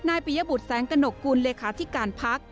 นายประยะบุตรแสงกระหนกกูลเลขาที่การพัก